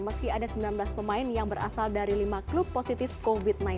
meski ada sembilan belas pemain yang berasal dari lima klub positif covid sembilan belas